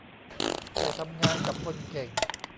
ได้ทำงานกับคนเก่ง